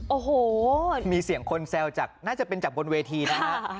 โอ้โหมีเสียงคนแซวจากน่าจะเป็นจากบนเวทีนะฮะ